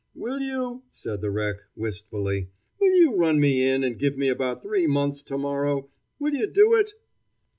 "Will you," said the wreck, wistfully "will you run me in and give me about three months to morrow? Will you do it?"